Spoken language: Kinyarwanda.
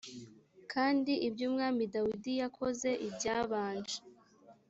kandi ibyo umwami dawidi yakoze ibyabanje